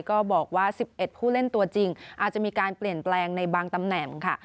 ก็บอกว่า๑๑ผู้เล่นตัวจริงอาจจะมีการเปลี่ยนแปลงในบางตำแหน่งค่ะ